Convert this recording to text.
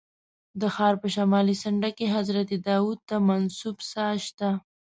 د ښار په شمالي څنډه کې حضرت داود ته منسوب څاه شته.